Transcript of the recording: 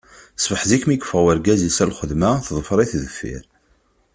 Ṣṣbeḥ zik mi yeffeɣ urgaz-is ɣer lxedma, teḍfer-it deffir.